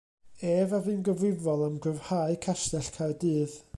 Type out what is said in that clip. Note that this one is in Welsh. Ef a fu'n gyfrifol am gryfhau Castell Caerdydd.